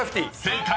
［正解！